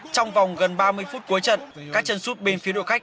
trong vòng gần ba mươi phút cuối trận các chân súp bên phía đội khách